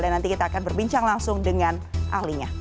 dan nanti kita akan berbincang langsung dengan ahlinya